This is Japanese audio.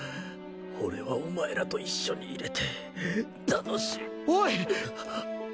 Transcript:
俺はお前らと一緒にいれて楽しおい！